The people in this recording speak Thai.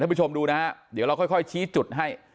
ผู้ชมดูนะฮะเดี๋ยวเราค่อยชี้จุดให้